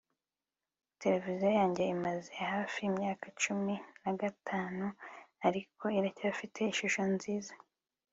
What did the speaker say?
Televiziyo yanjye imaze hafi imyaka cumi nagatanu ariko iracyafite ishusho nziza